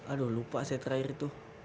aduh lupa saya terakhir itu